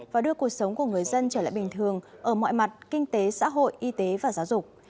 và đưa cuộc sống của người dân trở lại bình thường ở mọi mặt kinh tế xã hội y tế và giáo dục